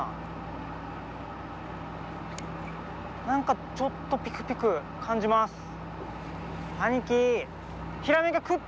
何かちょっとピクピク感じます。